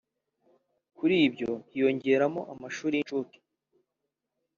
Kuri ibyo hiyongeraho amashuri y’incuke